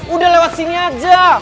udah lewat sini aja